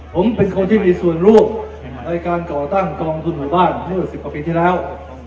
ผมเป็นคนที่มีส่วนร่วมในการก่อตั้งกองทุนหมู่บ้านเมื่อ๑๐กว่าปีที่แล้ว